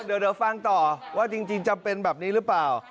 เดี๋ยวฟังต่อว่าจริงจำเป็นแบบนี้หรือเปล่า